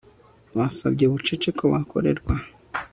Basabye bucece ko bakorerwa